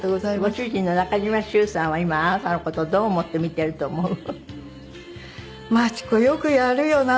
ご主人の中嶋しゅうさんは今あなたの事どう思って見てると思う？